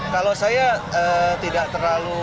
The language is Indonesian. kalau saya tidak terlalu